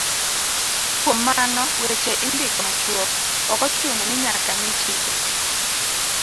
Kuom mano, weche indiko machuok, ok ochuno ni nyaka ng'i chike